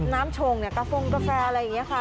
ชงเนี่ยกระโฟงกาแฟอะไรอย่างนี้ค่ะ